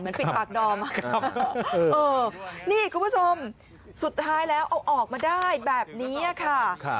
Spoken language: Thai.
ปิดปากดอมนี่คุณผู้ชมสุดท้ายแล้วเอาออกมาได้แบบนี้ค่ะ